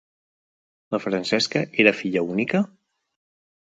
La Francesca era filla única?